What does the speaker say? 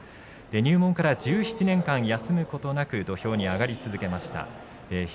入門から１７年間、休むことなく土俵に上がり続けました。